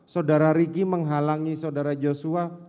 saudara riki menghalangi saudara joshua